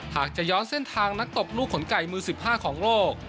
หากจะย้อนเส้นทางนักตบลูกขนไก่มือ๑๕ของโลก